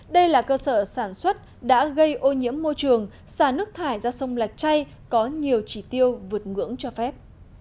đây là cơ sở sản xuất đã gây ô nhiễm môi trường xả nước thải ra sông lạch chay có nhiều chỉ tiêu vượt ngưỡng cho phép